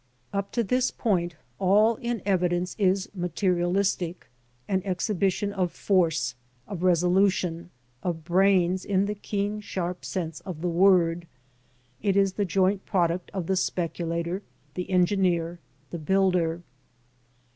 Up to this point all in evidence is materialistic, an exhibition of force, of resolution, of brains in the keen sharp sense of the word. It is the joint product of the speculator, the engineer, the builder.